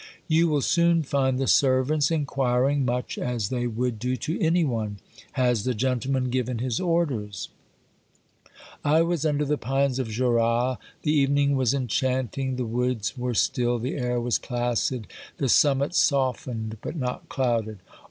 You will soon find the servants inquiring, much as they would do to any one :" Has the gentleman given his orders ?" OBERMANN ii I was under the pines of Jorat; the evening was en chanting, the woods were still, the air was placid, the summit softened but not clouded.